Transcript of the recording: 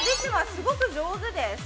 すごく上手です。